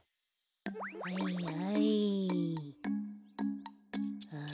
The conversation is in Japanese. はいはい。